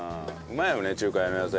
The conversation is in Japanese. うまいよね。